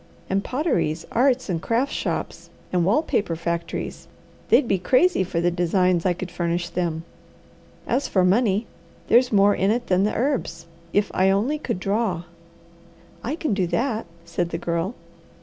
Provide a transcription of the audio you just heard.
And potteries, arts and crafts shops, and wall paper factories, they'd be crazy for the designs I could furnish them. As for money, there's more in it than the herbs, if I only could draw." "I can do that," said the Girl.